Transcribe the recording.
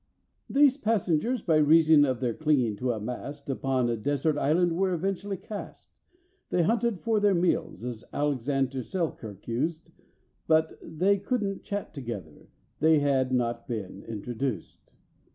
These passengers, by reason of their clinging to a mast, Upon a desert island were eventually cast. They hunted for their meals, as ALEXANDER SELKIRK used, But they couldn't chat together—they had not been introduced.